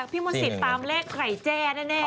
พี่มนต์สิทธิ์ตามแรกไก่แจ้แน่